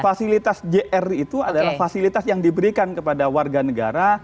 fasilitas jr itu adalah fasilitas yang diberikan kepada warga negara